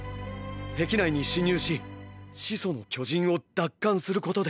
壁内に侵入し「始祖の巨人」を奪還することである。